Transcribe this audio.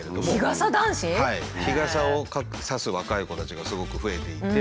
日傘を差す若い子たちがすごく増えていて。